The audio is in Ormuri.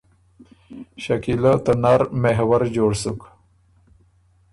شکیلۀ ته نر محور جوړ سُک